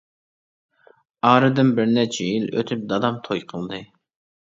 ئارىدىن بىر نەچچە يىل ئۆتۈپ دادام توي قىلدى.